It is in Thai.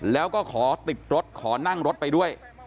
แล้วก็ขอติดรถขอนั่งรถไปด้วย